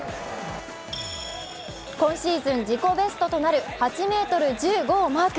今シーズン自己ベストとなる８ｍ１５をマーク。